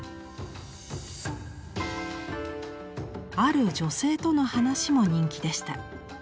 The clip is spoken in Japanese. ある女性との話も人気でした。